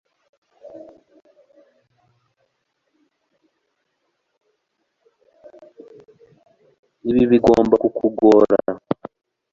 Ibi bigomba kukugora